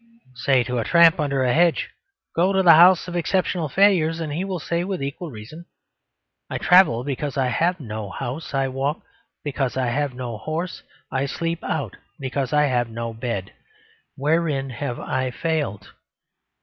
Say to a tramp under a hedge, "Go to the house of exceptional failures," and he will say with equal reason, "I travel because I have no house; I walk because I have no horse; I sleep out because I have no bed. Wherein have I failed?"